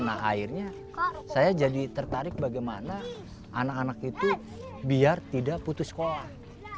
nah akhirnya saya jadi tertarik bagaimana anak anak itu biar tidak putus sekolah